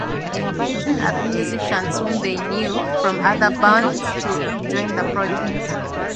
They invited other musicians whom they knew from other bands to join the project.